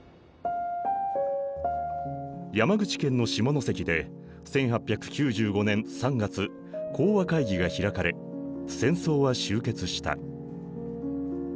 山口県の下関で１８９５年３月講和会議が開かれ戦争は終結した。